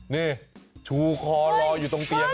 นี่ชูคอรออยู่ตรงเตียง